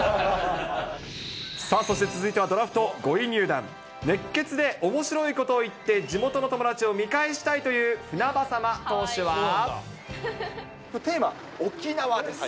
さあ、そして続いてはドラフト５位入団、熱ケツでおもしろいことを言って地元の友達を見返したいという船テーマは沖縄です。